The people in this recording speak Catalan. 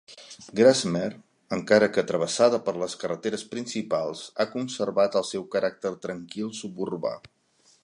Grasmere, encara que travessada per les carreteres principals, ha conservat el seu caràcter tranquil suburbà.